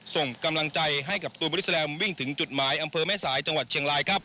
ส่งกำลังใจให้กับตูนบริสแลมวิ่งถึงจุดหมายอำเภอแม่สายจังหวัดเชียงรายครับ